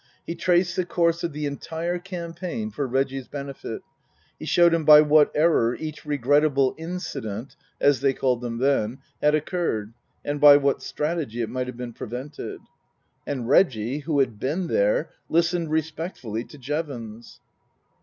He traced the course of the entire campaign for Reggie's benefit. He showed him by what error each regrettable incident (as they called them then) had occurred, and by what strategy it might have been prevented. And Reggie who had been there listened respectfully to Jevons.